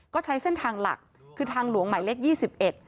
ก็ใช้เส้นทางหลักคือทางหลวงใหม่เลข๒๑